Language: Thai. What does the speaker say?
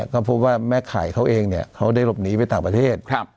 ก็พบว่าแม่ขายเขาเองเนี่ยเขาได้หลบหนีไปต่างประเทศ